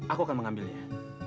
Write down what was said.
aku akan mengambilnya